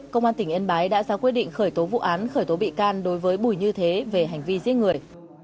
công an tỉnh yên bái đã ra quyết định khởi tố vụ án khởi tố bị can đối với bùi như thế về hành vi giết người